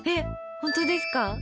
本当ですか？